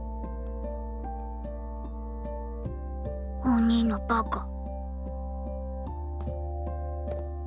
お兄のバカ。